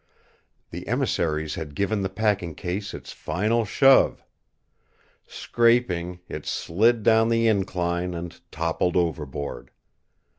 The emissaries had given the packing case its final shove. Scraping, it slid down the incline and toppled overboard.